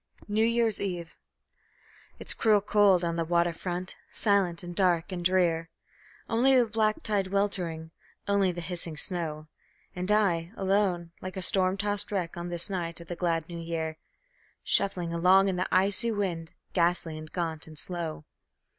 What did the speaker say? New Year's Eve It's cruel cold on the water front, silent and dark and drear; Only the black tide weltering, only the hissing snow; And I, alone, like a storm tossed wreck, on this night of the glad New Year, Shuffling along in the icy wind, ghastly and gaunt and slow.